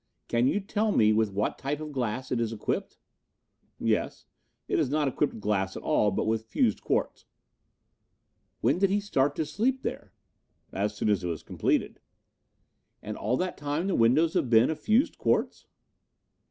Can you tell me with what type of glass it is equipped?" "Yes. It is not equipped with glass at all, but with fused quartz." "When did he start to sleep there?" "As soon as it was completed." "And all the time the windows have been of fused quartz?"